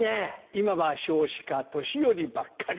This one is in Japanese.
今は少子化年寄りばっかり。